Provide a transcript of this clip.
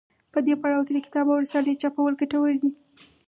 په دې پړاو کې د کتاب او رسالې چاپول ګټور دي.